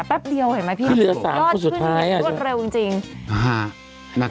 แป๊บเดียวเห็นไหมพี่ยอดยอดเร็วจริงคือเหลือ๓คนสุดท้าย